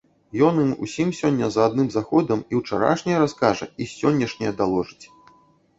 Ён ім усім сёння за адным заходам і ўчарашняе раскажа, і сённяшняе даложыць.